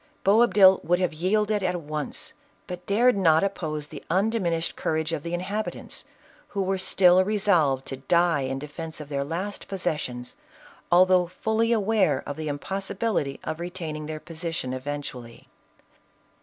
Boabdil would have yielded at once, but dared not op pose the undiminished courage of the inhabitants, who were still resolved to die in defence of their last posses sions, although fully aware of the impossibility of re taining their position eventually.